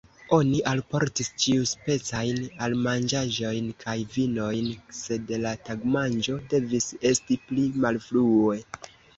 Oni alportis ĉiuspecajn almanĝaĵojn kaj vinojn, sed la tagmanĝo devis esti pli malfrue.